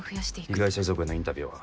被害者遺族へのインタビューは？